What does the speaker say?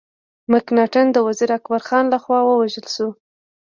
مکناټن د وزیر اکبر خان له خوا ووژل سو.